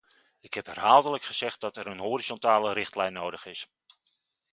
Ik heb herhaaldelijk gezegd dat er een horizontale richtlijn nodig is.